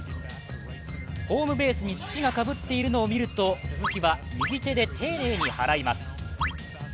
ホームベースに土がかぶっているのを見ると、鈴木は右手で丁寧に払います。